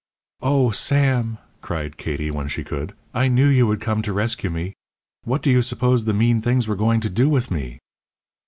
"Oh, Sam," cried Katie, when she could, "I knew you would come to rescue me. What do you suppose the mean things were going to do with me?"